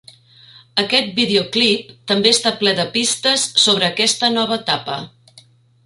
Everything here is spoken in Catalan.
Aquest videoclip també està ple de pistes sobre aquesta nova etapa.